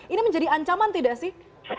ini menjadi ancaman tidak sih